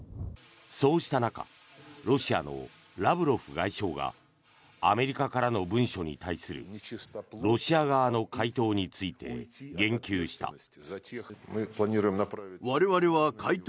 そうした中ロシアのラブロフ外相がアメリカからの文書に対するロシア側の回答について言及した。